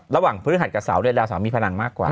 ระหว่างพื้นหัดกับเสาด้วยดาวเสามีพลังมากกว่า